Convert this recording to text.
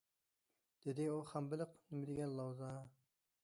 - دېدى ئۇ،- خام بېلىق نېمە دېگەن لاۋزا.